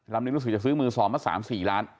นี้รู้สึกจะซื้อมือ๒มา๓๔ล้าน